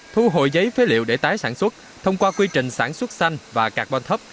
thu hồi giấy phế liệu để tái sản xuất thông qua quy trình sản xuất xanh và carbon thấp